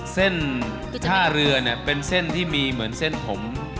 ท่าเรือเนี่ยเป็นเส้นที่มีเหมือนเส้นผม